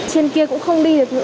trên kia cũng không đi được nữa